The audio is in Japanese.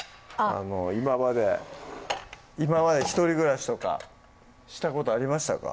今まで今まで一人暮らしとかしたことありましたか？